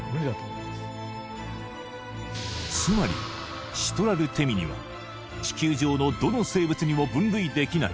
つまりシトラルテミニは地球上のどの生物にも分類できない